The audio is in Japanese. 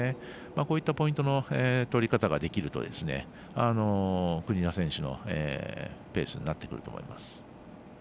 こういったポイントの取り方ができると国枝選手のペースになってくると思います。